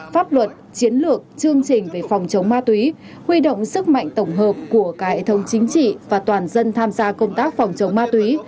pháp luật chiến lược chương trình về phòng chống ma túy huy động sức mạnh tổng hợp của cả hệ thống chính trị và toàn dân tham gia công tác phòng chống ma túy